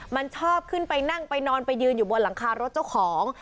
มันชอบขึ้นไปนั่งไปนอนไปยืนอยู่บนหลังคารถเจ้าของ